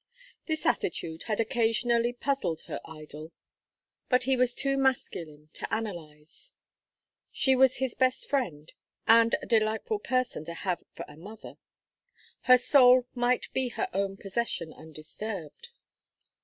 This attitude had occasionally puzzled her idol, but he was too masculine to analyze. She was his best friend and a delightful person to have for a mother; her soul might be her own possession undisturbed.